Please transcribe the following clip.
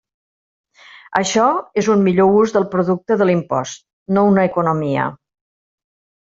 Això és un millor ús del producte de l'impost, no una economia.